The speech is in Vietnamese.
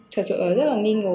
thật sự là rất là nghi ngờ